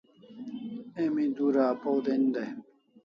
Emi dura apaw den dai